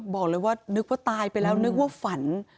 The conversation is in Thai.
บอกเลยว่านึกว่าตายไปแล้วนึกว่าฝัน